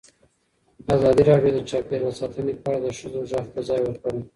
ازادي راډیو د چاپیریال ساتنه په اړه د ښځو غږ ته ځای ورکړی.